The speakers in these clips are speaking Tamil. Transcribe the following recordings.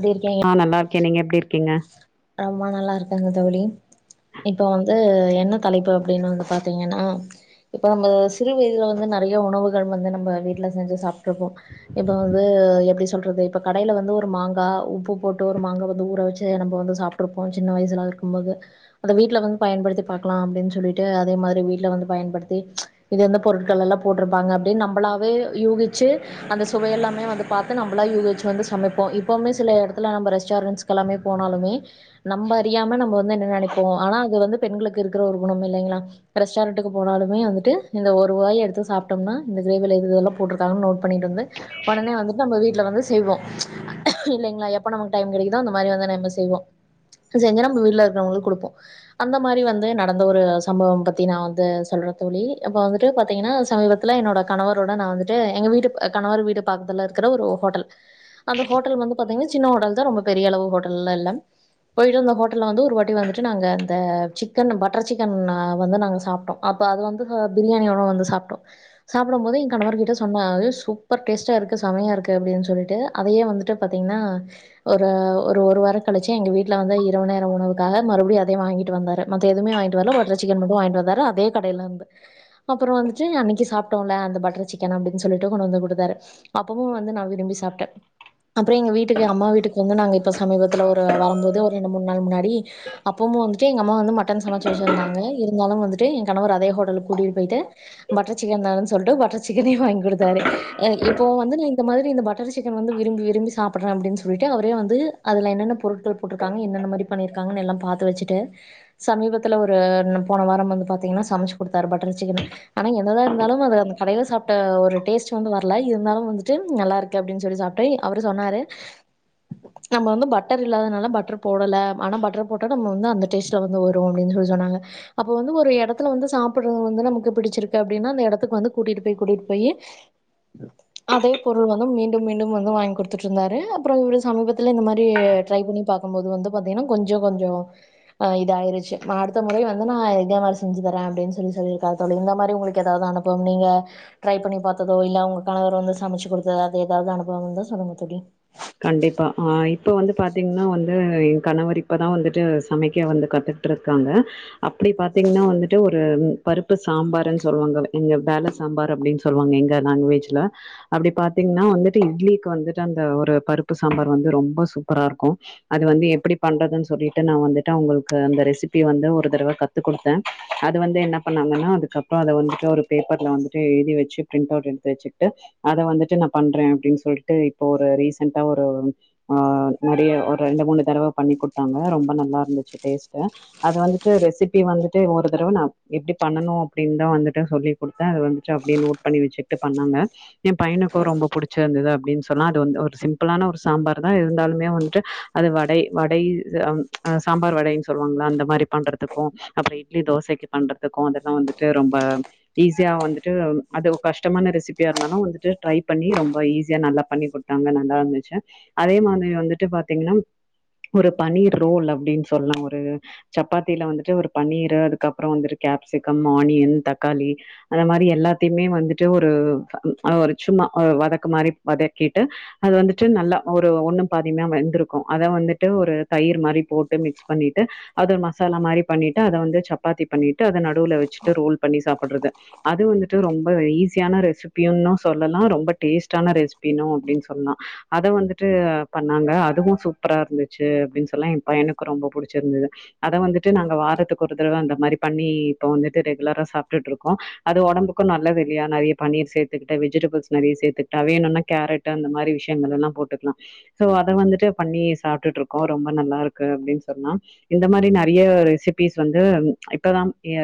எப்டி இருக்கீங்க ஆ நல்லாருக்கே நீங்க எப்டி இரு இருக்கீங்க ரொம்ப நல்லா இருக்கேங்க தோழி இப்ப வந்து என்ன தலைப்பு அப்டின்னு வந்து பாத்தீங்கனா இப்ப நம்ம சிறு வயதுல வந்து நெறைய உணவுகள் வந்து நம்ம வீட்டுல செஞ்சு சாப்ட்டுருப்போ இப்ப வந்து எப்டி சொல்றது இப்ப கடைல வந்து ஒரு மாங்கா உப்பு போட்டு ஒரு மாங்கா வந்து ஊற வெச்சு நம்ம வந்து சாப்ட்ருப்போ சின்ன வயசுலா இருக்கும் போது அத வீட்ல வந்து பயன்படுத்தி பாக்கலா அப்டினு சொல்லிட்டு அதே மாரி வீட்ல வந்து பயன்படுத்தி இது எந்த பொருட்கள் எல்லா போட்டிருப்பாங்க அப்டினு நம்பளாவே யூகிச்சு அந்த சுவையெல்லாமே வந்து பாத்து நம்பளா யூகிச்சு வந்து சமைப்போ இப்புமே சில எடத்துல நம்ம ரெஸ்ட்ரண்ஸ்க்கெல்லாமே போனாலுமே நம்ப அறியாம நம்ம வந்து என்ன நெனப்போ ஆனா அது வந்து பெண்களுக்கு இருக்கிற ஒரு குணம் இல்லைங்களா ரெஸ்டாரண்ட்டக்கு போனாலுமே வந்துட்டு இந்த ஒரு வாய எடுத்து சாப்ட்டோம்னா இந்த கிரேவில இது இதெல்லா போட்ருக்காங்கன்னு நோட் பண்ணிட்டு வந்து ஒடனே வந்துட்டு நம்ம வீட்டுல வந்து செய்வோ இல்லைங்களா எப்ப நமக்கு டைம் கெடைக்குதோ அந்த மாரி வந்து நம்ம செய்வோ செஞ்சு நம்ப வீட்ல இருக்கிறவங்களுக்கு குடுப்போ அந்த மாரி வந்து நடந்த ஒரு சம்பவம் பத்தி நா வந்து சொல்ற தோழி இப்ப வந்துட்டு பாத்தீங்கனா சமீபத்துல என்னோட கணவரோட நா வந்துட்டு எங்க வீட்டு கணவர் வீடு பாக்கத்துல இருக்க ஒரு ஹோட்டல் அந்த ஹோட்டல் வந்து பாத்தீங்கன்னா சின்ன ஹோட்டல் தா ரொம்ப பெரிய அளவு ஹோட்டல்லா இல்ல போயிட்டு அந்த ஹோட்டல்ல வந்து ஒரு வாட்டி வந்துட்டு நாங்க இந்த சிக்கன் பட்ரு சிக்கன் வந்து நாங்க சாப்ட்டோ அப்ப அது வந்து பிரியாணியோட வந்து சாப்ட்டோ சாப்டும் போது எ கணவரு கிட்ட சொன்னே சூப்பர் டேஸ்ட்டா இருக்கு சமையா இருக்கு அப்டின்னு சொல்லிட்டு அதையே வந்துட்டு பாத்தீங்கனா ஒரு ஒரு வார கழிச்சி எங்க வீட்டு வந்து இரவு நேர உணவுக்காக மறுபடியும்அதயே வாங்கிட்டு வந்தாரு மத்த எதுமே வாங்கிட்டு வரல பட்ரு சிக்கன் மட்டு வாங்கிட்டு வந்தாரு அதே கடையிலிந்து அப்றோ வந்துட்டு அன்னைக்கு சாப்ட்டோமிலே அந்த பட்ரு சிக்கன் அப்டினு சொல்லிட்டு கொண்டு வந்து குடுத்தாரு அப்பமு வந்து நா விரும்பி சாப்ட்டேன் அப்றோ எங்க வீட்டுக்கு அம்மா வீட்டுக்கு வந்து நாங்க இப்போ சமீபத்துல ஒரு வரும்போது ஒரு ரெண்டு மூன் நாள் முன்னாடி அப்பும் வந்துட்டு அம்மா வந்து மட்டன் சமச்சி வெச்சிருந்தாங்க இரு இருந்தாலு வந்துட்டு எ கணவர் அதே ஹோட்டலுக்கு கூட்டிட்டு போயிட்டு பட்ரு சிக்கன் தானு சொல்லிட்டு பட்டர் சிக்கனே வாங்கி் கொடுத்தாரு இப்போ வந்து இந்த மாரி இந்த பட்ரு சிக்கன் வந்து விரும்பி விரும்பி சாப்ட்றே அப்டினு சொல்லிட்டு அவரே வந்து அதுல என்னென்ன பொருட்கள் போட்ருக்காங்க என்னென்ன மாரி பண்ணிருக்காங்க எல்லா பாத்து வெச்சிட்டு சமீபத்துல ஒரு போன வாரோ பாத்திங்கனா சமச்சி குடுத்தாரு பட்ரு சிக்கனு ஆனா என்ன தா இருந்தாலு அது அந்த கடையில சாப்ட ஒரு டேஸ்ட்டு வந்து வரல இருந்தாலு வந்துட்டு நல்லா இருக்கு அப்டி சொல்லி சாப்டே அவரு சொன்னாரு நம்ப வந்து பட்டர் இல்லாதனால பட்ரு போடல ஆனா பட்ரு போட்டா நம்ம வந்து அந்த டேஸ்ட்ல வந்து வரு அப்டினு சொல்லி சொன்னாங்க அப்போ வந்து ஒரு இடத் எடத்துல வந்து சாப்ட்றது வந்து நமக்கு பிடிச்சிருக்கு அப்டின்னா அந்த எடத்துக்கு வந்து கூட்டிட்டு போய் கூட்டிட்டு போய் அதே பொருள் வந்து மீண்டும் மீண்டும் வந்து வாங்கி குடுத்துட்டு இருந்தாரு அப்றோ ஒரு சமீபத்ல இந்த மாரி ட்ரை பண்ணி பாக்கும் போது வந்து பாத்தீங்கனா கொஞ்ஜோ கொஞ்ஜோ ஆ இது ஆயிருச்சி அடுத்த முறை வந்து நா இதே மாரி செஞ்சி தர அப்டினு சொல்லி சொல்லிருக்காரு தோழி இந்த மாரி உங்களுக்கு எதாது அனுபவம் நீங்க ட்ரை பண்ணி பாத்ததோ இல்ல உங்க கணவர் வந்து சமைச்சி குடுத்தது அது எதாது அனுபவ வந்தா சொல்லுங்க தோழி கண்டிப்பா ஆ இப்ப வந்து பாத்தீங்கனா வந்து எ கணவர் இப்ப தா வந்துட்டு சமைக்க வந்து கத்துகிட்டு இருக்காங்க அப்டி பாத்தீங்கனா வந்துட்டு ஒரு பருப்பு சாம்பருன்னு சொல்லுவாங்க எங்க வேல சாம்பார் அப்டின்னு சொல்லுவாங்க எங்க லேங்வேஜ்ல அப்டி பாத்தீங்கனா வந்துட்டு இட்லிக்கு வந்துட்டு அந்த ஒரு பருப்பு சாம்பார் வந்து ரொம்ப சூப்பரா இருக்கோ அது வந்து எப்டி பண்றதுனு சொல்லிட்டு நா வந்துட்டு அவுங்களுக்கு அந்த ரெசிபிய வந்துட்டு ஒரு தரவ கத்து குடுத்தே அத வந்து என்ன பண்ணாங்கன்னா அதுக்கப்றோ அது வந்துட்டு ஒரு பேப்பர்ல வந்துட்டு எழுதி வெச்சி ப்ரிண்ட் அவுட் எடுத்து வெச்சிக்கிட்டு அத வந்துட்டு நா பண்றே அப்டினு சொல்ட்டு இப்போ ஒரு ரீசண்டா ரீசண்ட்டா ஒரு ஆ நெறைய ஒரு ரெண்டு மூனு தடவ பண்ணி குடுத்தாங்க ரொம்ப நல்லா இருந்துச்சி டேஸ்ட்டு அது வந்துட்டு ரெஸிப்பியு வந்துட்டு ஒரு தடவ நா எப்டி பண்ணனோ அப்டினு வந்துட்டு சொல்லி குடுத்தே அது வந்துட்டு அப்டியே நோட் பண்ணி வெச்சிட்டு பண்ணாங்க எ பையனுக்கு ரொம்ப புடிச்சிருந்ததா அப்டினு சொன்னா அது வந்து ரொம்ப சிம்பிள் சிம்ப்பலான ஒரு சாம்பாரு தா இருந்தாலுமே வந்துட்டு அது வடை வடை சாம்பார் வடைன்னு சொல்லுவாங்கலே அந்த மாரி பண்றதுக்கு அப்றோ இட்லி தோசைக்கு பண்றதுக்கு அதெல்லா வந்துட்டு ரொம்ப ஈஸியா வந்துட்டு அது கஷ்டமான ரெசிபியா இருந்தாலு வந்துட்டு ட்ரை பண்ணி ரொம்ப ஈஸியா நல்லா பண்ணி குடுத்தாங்க நல்லா இருந்துச்சி அதே மாதிரி வந்துட்டு பாத்தீங்கன்னா ஒரு பன்னீர் ரோல் அப்டின் சொல்லா ஒரு சப்பாத்தியில வந்துட்டு ஒரு பன்னீர் அதுக்கப்புறோ வந்துட்டு கேப்சிகம் ஆனியன் தக்காளி அந்த மாரி எல்லாத்தையுமே வந்துட்டு ஒரு சும்மா வதக்கி மாரி வதக்கிட்டு அது வந்துட்டு நல்லா ஒரு ஒன்னு பாதியுமா வெந்துருக்கு அத வந்துட்டு ஒரு தயிர் மாரி போட்டு மிக்ஸ் பண்ணிட்டு அது ஒரு மசாலா மாரி பண்ணிட்டு அத வந்து சப்பாத்தி பண்ணிட்டு அத நடுவுல வெச்சிட்டு ரோல் பண்ணி சாப்பிட்றது அது வந்துட்டு ரொம்ப ஈஸியான ரெசிபியன்னு சொல்லலா ரொம்ப டேஸ்ட்டான ரெசிபினு அப்டின்னு சொல்லலாம் அத வந்துட்டு பண்ணாங்க அதுவு சூப்பரா இருந்துச்சி அப்டின் சொல்லா ஏ பையனுக்கு ரொம்ப புடிச்சிருந்தது அத வந்துட்டு நாங்க வாரத்துக்கு ஒரு தரவ அந்த மாரி பண்ணி இப்ப வந்துட்டு ரெகுலரா சாப்டுட்டுருக்கோ அது ஒடம்புக்கு நல்லதில்லையா நெறைய பன்னீர் சேர்த்துகிட்டு வெஜிடபிள்ஸ் நெறைய சேர்த்துக்கிட்டு வேணுன்னா கேரட் அந்த மாரி விஷ போட்டுக்கலா சோ அத வந்துட்டு பண்ணி சாப்ட்டுட்டு இருக்கோ ரொம்ப நல்லா இருக்கு அப்டினு சொன்னா இந்த மாரி நெறைய ரெசிபிஸ் வந்து இப்ப தா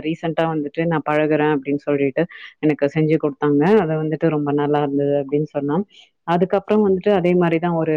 ரீசண்ட்டா வந்துட்டு நா பழகுறே அப்டின்னு சொல்லிட்டு எனக்கு செஞ்சு குடுத்தாங்க அத வந்துட்டு ரொம்ப நல்லா இருந்தது அப்டின்னு சொன்னா அதுக்கப் அப்புறோ வந்துட்டு அதே மாரி தா ஒரு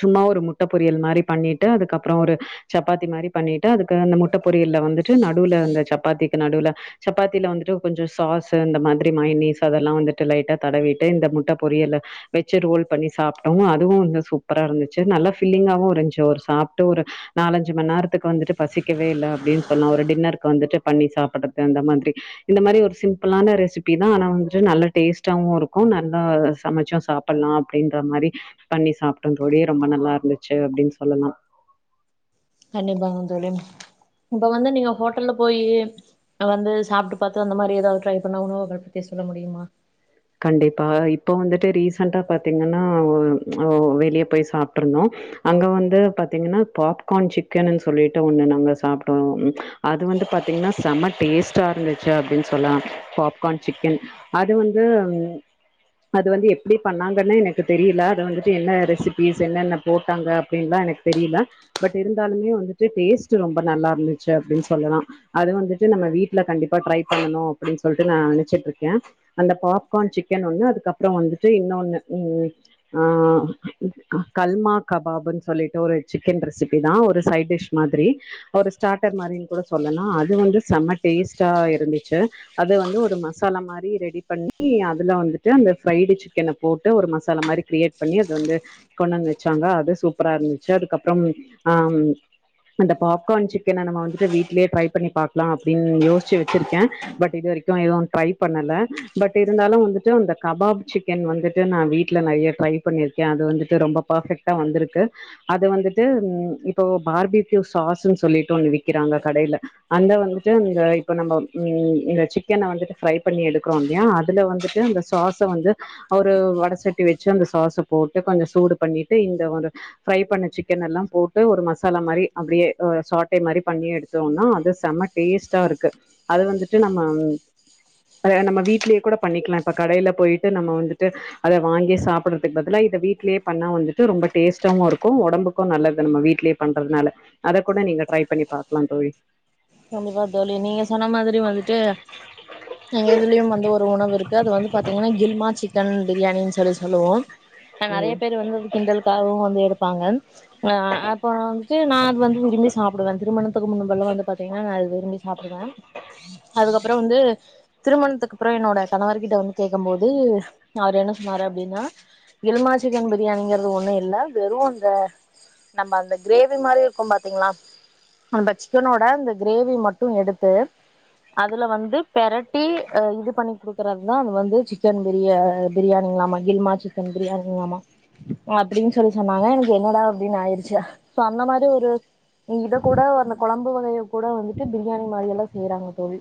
சும்மா ஒரு முட்ட பொரியல் மாரி பண்ணிட்டு அதுக்கப்புறோ ஒரு சப்பாத்தி மாரி பண்ணிட்டு அதுக்கு அந்த முட்ட பொரியல்ல வந்துட்டு நடுல அந்த சப்பாத்தி நடுவுல சப்பாத்தில வந்துட்டு கொஞ்ஜோ சாஸ்ஸு இந்த மாதிரி மயனீஸ் அதெல்லா வந்துட்டு லைட்டா தடவிட்டு இந்த முட்ட பொரியலு வெஜு ரோல் பண்ணி சாப்ட்டோ அதுவு வந்து சூப்பரா இருந்துச்சு நல்லா ஃபில்லிங்காகவு இருந்துச்சு ஒரு சாப்பிட்டு ஒரு நாலஞ்சு மணி நேரத்துக்கு வந்துட்டு பசிக்கவே இல்ல அப்டின்னு சொல்லலா ஒரு டின்ருக்கு வந்துட்டு பண்ணி சாப்ட்றது அந்த மாதிரி இந்த மாரி ஒரு சிம்பிளான ரெசிபி தா ஆனா வந்துட்டு நல்லா டேஸ்ட்டாவு இருக்கு நல்லா சமைச்சா சாப் ப்பலா அப்டின்ற மாரி பண்ணி சாப்பிட்ட தோழி ரொம்ப நல்லா இருந்துச்சு அப்டின்னு சொல்லலா நீங்க வந்து இப்ப வந்து நீங்க ஹோட்டல்ல போய் வந்து சாப்ட்டு பாத்து அந்த மாரி ஏதாவது ட்ரை பண்ண உணவு பத்தி சொல்ல முடியுமா கண்டிப்பா இப்ப வந்துட்டு ரீசன்டா பாத்தீங்கன்னா வெளிய போய் சாப்பிட்டுருந்தோ அங்க வந்து பாத்தீங்கன்னா பாப்கார்ன் சிக்கன்னு சொல்லிட்டு ஒண்ணு நாங்க சாப்டோ அது வந்து பாத்தீங்கன்னா செம டேஸ்டா இருந்துச்சு அப்டினு சொல்லலா பாப்கார்ன் சிக்கன் அது வந்து அது வந்து எப்டி பண்ணாங்கன்னு எனக்கு தெரியல அது வந்துட்டு என்ன ரெசிபிஸ் என்னென போட்டாங்க அப்படின்னுலா எனக்கு தெரியல பட் இருந்தாலுமே வந்துட்டு டேஸ்ட் ரொம்ப நல்லா இருந்துச்சு அப்டின்னு சொல்லலா அது வந்துட்டு நம்ம வீட்டுல கண்டிப்பா ட்ரை பண்ணணு அப்டின்னு சொல்லிட்டு நா நெனைச்சிட்டுருக்கே அந்த பாப்கார்ன் சிக்கன் ஒன்னு அதுக்கப்றோ வந்துட்டு இன்னொன்னு ம் ஆ கல்மா கபாப்ன்னு சொல்லிட்டு ஒரு சிக்கன் ரெசிபி தா ஒரு சைட் டிஷ் மாதிரி ஒரு ஸ்டார்டர் மாதிரின்னு கூட சொல்லலா அது வந்து செம்ம டேஸ்ட்டா இருந்துச்சு அது வந்து ஒரு மசாலா மாரி ரெடி பன்னி அதுலவந்துட்டு அந்த ஃப்ரைடு சிக்கன போட்டு ஒரு மசாலா மாரி கிரியேட் பண்ணி அது வந்து கொண்டு வந்து வச்சாங்க அது சூப்பரா இருந்துச்சு அதுக்கப்றம் ஆ அந்த பாப்கார்ன் சிக்கன நம்ம வந்துட்டு வீட்லயே ட்ரை பண்ணி பாக்லா அப்டின்னு யோசிச்சு வச்சிருக்கே பட் இது வரைக்கு எதுவு ட்ரை பண்ணல பட் இருந்தாலு வந்துட்டு அந்த கபாப் சிக்கன் வந்துட்டு நா வீட்டில் நிறைய ட்ரை பண்ணியிருக்கே அது வந்துட்டு ரொம்ப பர்ஃபெக்ட்டா வந்திருக்கு அது வந்துட்டு இப்போ பார்பிக்யூ சாஸ்ன்னு சொல்லிட்டு ஒன்னு விக்குறாங்க கடைல அந்த வந்துட்டு இந்த இப்போ நம்ம இந்த சிக்கன வந்துட்டு ஃப்ரை பண்ணி எடுக்குறோ யா அதுல வந்துட் அந்த சாஸ வந்து ஒரு வடசட்டி வச்சு அந்த சாஸ போட்டு கொஞ்சோ சூடு பண்ணிட்டு இந்த ஒரு ஃப்ரை பண்ண சிக்கனெல்லா போட்டு ஒரு மசாலா மாரி அப்டியே சாட்டை மாதிரி பண்ணி எடுத்தோம்னா அது செம டேஸ்டா இருக்கு அது வந்துட்டு நம்ம அத நம்ம வீ ட்லயே கூட பண்ணிக்கலா இப்ப கடையில போயிட்டு நம்ம வந்துட்டு அத வாங்கி சாப்பிடறதுக்கு பதிலா இத வீட்டிலேயே பண்ணா வந்துட்டு ரொம்ப டேஸ்ட்டாவு இருக்கு உடம்புக்கும் நல்லது நம்ம வீட்டிலேயே பண்றதுனால அத கூட நீங்க ட்ரை பண்ணி பாக்லா தோழி கண்டிப்பா தோழி நீங்க சொன்ன மாதிரி வந்துட்டு எங்க இதுலயு வந்து ஒரு உணவு இருக்கு அது வந்து பார்த்தீங்கன்னா கில்மா சிக்கன் பிரியாணின்னு சொல்லி சொல்லுவோ நெறைய ம் பேர் வந்து கிண்டலுக்காகவு வந்து எடுப்பாங்க ம் அ அப்றோ வந்துட்டு நா அது வந்து விரும்பி சாப்டுவே திருமண [unintelligible] பண்ணுவாங்க பாத் த்தீங்னா அது விரும்பி சாப்பிடுவே அதுக்கப்றோ வந்து திருமணத்துக்குப்பிறகு என்னோட கணவர்கிட்ட வந்து கேட்கும் போது அவர் என மற அப்டின்னா கில்மா சிக்கன் பிரியாணிங்கிறது ஒண்ணு இல்ல வெறு அந்த நம்ம அந்த கிரேவி மாரி இருக்கு பாத்தீங்களா அந்த சிக்கனோட அந் கிரேவி மட்டு எடுத்து அதுல வந்து பெரட்டி அ இது பண்ணி குடுக்கறதுதா அது வந்து சிக்கன் பிரியா பிரியாணிங்களாமா கில்மா சிக்கன் பிரியாணிங்களாமா அப்டின்னு சொல்லி சொன்னாங்க எனக்கு என்னடா அப்டின்னு ஆயிச்சு அந்த மாரி ஒரு இத கூட அந்த குழம்பு வகைய கூட வந்துட்டு பிரியாணி மாரி எல்லா செய்றாங்க தோழி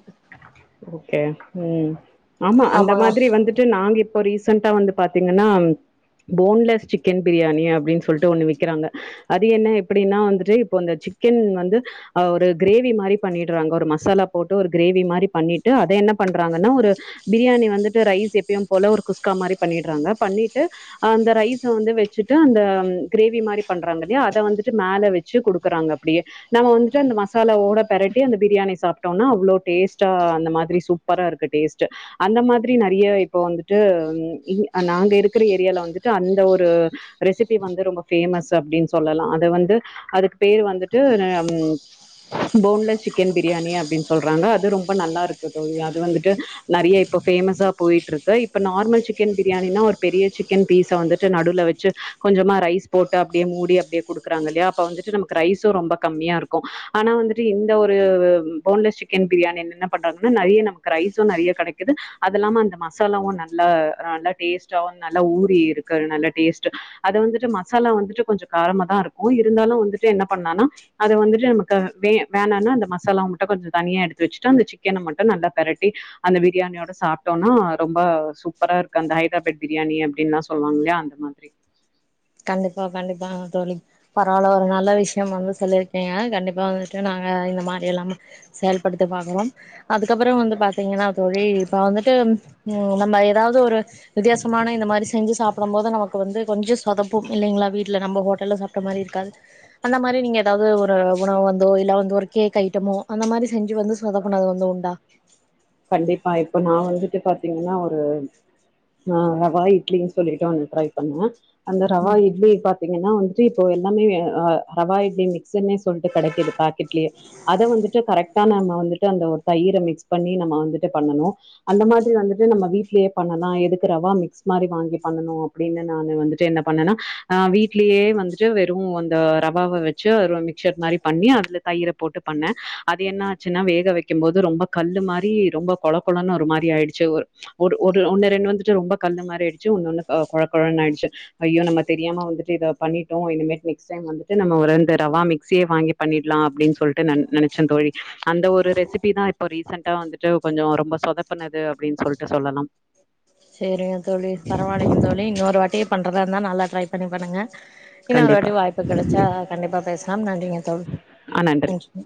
ஓகே ம் ஆமா அந்த ஆமாங்க மாதிரி வந்துட்டு நாங்க இப்போ ரீசண்டா வந்து பா பாத்திங்கனா போன்லஸ் சிக்கன் பிரியாணி அப்டின்னு சொல்லிட்டு ஒண்ணு விக்கிறாங்க அது என்ன எப்டின்னா வந்துட்டு இப்ப சிக்கன் வந்து் ஒரு கிரேவி மாரி பண்ணடுறாங்க ஒரு மசாலா போட்டு ஒரு கிரேவி மாரி பண்ணி ட்டு அத என்ன பன்றாங்கனா ஒரு பிரியாணி வந்துட் ரைஸ் எப்பியு போல ஒரு குஸ்கா மாரி பண்ணிடுராங்க பண்ணிட்டு அந்த ரௌஸ வந்து வச்சுட் அந்த கிரேவி மாரி பண்ராங்கல்யா அத வந்துட் மேல வச்சு குடுக்குறாங்க அப்டியே நாம வந்துட்டு அந்த மசாலவோட பெரட்டி அந்த பிரியாணி சாப்ட்டோம்னா அவ்ளோ டேஸ்டா அந்த மாரி சூப்பரா இருக்கு டேஸ்டு அந்த மாதிரி நெறைய இப்ப வந்து நாங்க இருக்கிற ஏரியால வந்துட் அந்த ஒரு ரெசிபி வந்து ரொம்ப ஃபேமஸ் அப்டினு சொல்லலா அது வந்து அதுக்கு பேர் வந்துட்டு போன்லஸ் சிக்கன் பிரியாணி அப்டின்னு சொல்றாங்க அது ரொம்ப நல்லா இருக்கு அது வந்துட் நெறய இப்ப ஃபேமஸா போயிட்டு இருக்கு இப்ப நார்மல் சிக்கன் பிரியாணனா ஒரு பெரிய சிக்கன் பீஸ வந்துட்டு நடுல வச்சு கொஞ்சமா ரைஸ் போட்டு அப்டியே மூடி அப்டியே குடுக்கறாங்க இல்லியா அப்ப வந்துட்டு நமக்கு ரைஸும் ரொம்ப கம்மியா இருக்கு ஆனா வந்துட்டு இந்த ஒரு போன்லெஸ் சிக்கன் பிரியாணி என்ன பண்றாங்கனு நேரைய நமக் ரைஸும் நெறைய கெடைக்குது அது இல்லாம அந்த மசாலாவு நல்லா நல்ல டேஸ்டாவு நல்ல ஊரி இருக்கு நல்ல டேஸ்டு அதுவந்துட் மசாலா வந்துட் கொஞ்சோ காரமா தா இருக்கு இருந்தாலு வந்துட் என்ன பண்ணானா அது வந்துட்டு நமக்கு வே வேணானா அந்த மசாலமட்டோ கொஞ்சோ தனியா எடுத்து வச்சுட் அந்த சிக்க சிக்கன மட்டு நல்லா பெரட்டி அந்த பிரியாணியோட சாப்பிட்டோம்னா ரொம்ப சூப்பரா இருக்கு அந்த ஹைதராபாத் பிரியாணி அப்டின்லா சொல்லுவாங்கல்லையா அந்த மாதிரி கண்டிப்பா கண்டிப்பா தோழி பரவாயில்ல ஒரு நல்ல விஷயோ வந்து சொல்லியிருக்கீங்க கண்டிப்பா வந்துட்டு நாங்க இந்த மாரி எல்லா சேல் பண்ணதுக்கு வாங்குவோ அதுக்கப்றம் வந்து பா பத்தீங்கன்னா தோழி இப்ப வந்து ட்டு நம்ம எதாவது ஒரு வித்தியாசமான இந்த மாரி செஞ்சு சாப்பிடு போது நமக்கு வந்து கொஞ்ச சுட்டு சொதப்பு இல்லைங்களா வீட்டுல நம்ம ஹோட்டல்ல சாப்ட்ட மாரி இருக்காது அந்த மாரி நீங்க எதாவது ஒரு உணவு வந்தோ இல்ல வந்து ஒரு கேக் ஐட்டமோ அந்த மாரி செஞ்சு வந்து சொதப்புனது வந்து உண்டா கண்டிப்பா இப்ப நா வந்துட்டு பாத்தீங்கன்னா ஹ் நா ரவா இட்லின்னு சொல்லிட்டு ஒன்னு ட்ரை பண்ணுவ அந்த ரவா இட்லி பாத் பாத்திங்கனா வந்துட் இப்போ எல்லாமே ரவா இட்லி மிக்ஸ்னே சொல்ட்டு கெடைக்குது பாக்கெட்லியே அத வந்துட்டு கரெக்டா நம்ம வந்துட்டு அந்த ஒரு தயிர மிக்ஸ் பண்ணி நம்ம வந்துட்டு பண்ணனு அந்த மாரி வந்துட் நம்ம வீட்லயே பண்ணலா எதுக்கு ரவா மிக்ஸ் மாரி வாங்கி பண்ணனு அப்டின்னு நானு வந்துட் என்ன பண்ணனா நா வீட்லயே வந்துட்டு வெறு அந்த ரவாவ வச்சு மிக்சர் மாரி பண்ணி அதுல தயிர போட்டு பண்ணே அது என்னாச்சுனா வேக வைக்கு போது ரொம்ப கல்லு மாரி ரி ரொம்ப கொழ கொழனு ஒரு மாரி ஆயிச்சு ஒரு ஒரு ஒன்னு ரெண்டு வந்துட் ரொம்ப கல்லு மாரி ஆயிச்சு ஒன்னொன்னு கொல கொலனு ஆயிச்சு ஐயோ நம்ம தெரியாம வந்துட்டு இத பண்ணிட்டோ இனிமே நெக்ஸ்ட் டைம் வந்துட்டு நம்ம இந்த ரவா மிக்ஸயே வாங்கி பண்ணிட்டா அப்டின் சொல்ட் நெ நெனைச்ச தோழி அந்த ஒரு ரெசிபி தா இப்போ ரீசண்டா வந்துட் கொஞ்சோ ரொம்ப சொதப்புனது அப்டின்னு சொல்ட்டு சொல்லலா சேரிங்க தோழி பரவால்லைங்க தோழி இன்னொரு வாட்டி பண்றதா இருந்தா நல்லா ட்ரை பண்ணி பண்ணுங்க இன்னொரு கண்டிப்பா வாட்டி வாய்ப்பு கெடைச்சா கண்டிப்பா பேசலாம் நன்றிங்க தோழி நன்றி